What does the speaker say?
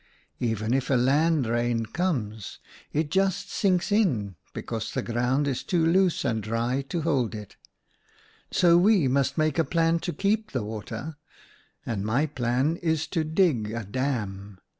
Even if a land rain comes, it just sinks in, because the ground is too loose and dry to hold it, so we must THE ANIMALS' DAM 91 make a plan to keep the water, and my plan is to dig a dam.